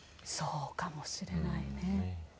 そうかもしれないね。